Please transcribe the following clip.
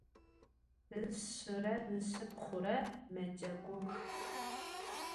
Işşıre ışşıpxhure mecegux.